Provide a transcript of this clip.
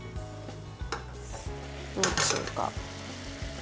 どうでしょうか。